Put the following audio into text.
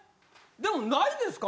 でもないですか？